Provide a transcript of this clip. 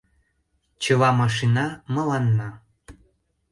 Чыла машина мыланна!